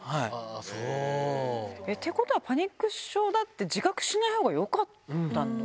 そう。ってことはパニック症だって、自覚しないほうがよかったの？